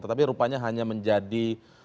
tetapi rupanya hanya menjadi